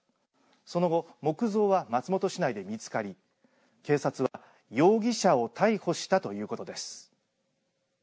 その後、木像は松本市内で見つかり警察は容疑者を逮捕したということです。